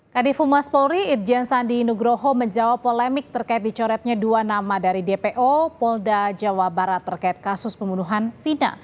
kadifu mas polri irjen sandi nugroho menjawab polemik terkait dicoretnya dua nama dari dpo polda jawa barat terkait kasus pembunuhan vina